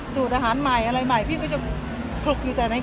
เธอพยายามรักษาเกี่ยวกับเกี่ยวกับบ้าน